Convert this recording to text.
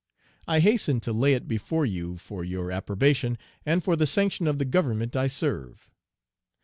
I hasten to lay it before you for your approbation, and for the sanction of the Government I serve.